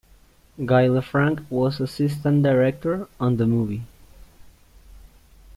Guy Lefranc was assistant director on the movie.